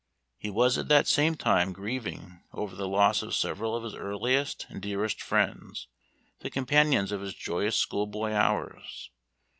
He was at the same time grieving over the loss of several of his earliest and dearest friends the companions of his joyous school boy hours.